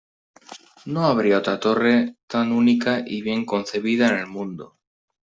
No habría otra torre tan única y bien concebida en el mundo".